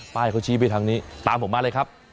ป้ายเขาชี้ไปทางนี้ตามผมมาเลยครับ